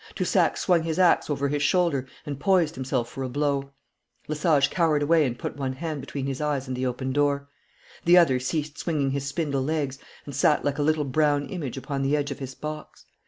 Toussac swung his axe over his shoulder and poised himself for a blow. Lesage cowered away and put one hand between his eyes and the open door. The other ceased swinging his spindle legs and sat like a little brown image upon the edge of his box.